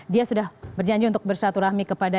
dia sudah berjanji untuk bersatu rahmi kepada